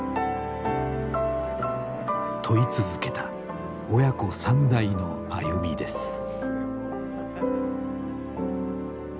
問い続けた親子三代の歩みです。